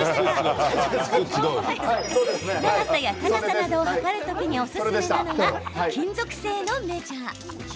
長さや高さなどを測る時におすすめなのが金属製のメジャー。